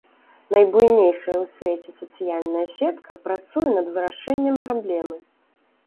Найбуйнейшая ў свеце сацыяльная сетка працуе над вырашэннем праблемы.